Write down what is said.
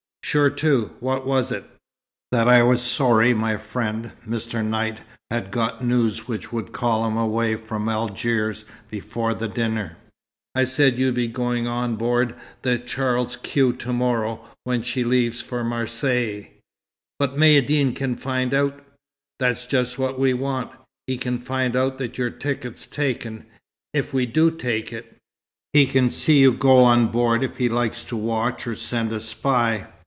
"Sure to. What was it?" "That I was sorry my friend, Mr. Knight, had got news which would call him away from Algiers before the dinner. I said you'd be going on board the Charles Quex to morrow when she leaves for Marseilles." "But Maïeddine can find out " "That's just what we want. He can find out that your ticket's taken, if we do take it. He can see you go on board if he likes to watch or send a spy.